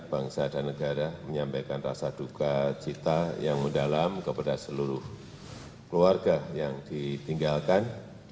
bangsa dan negara menyampaikan rasa duka cita yang mendalam kepada seluruh keluarga yang ditinggalkan